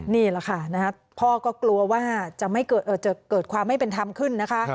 นี่แหละค่ะพ่อก็กลัวว่าจะเกิดความไม่เป็นธรรมขึ้นนะคะ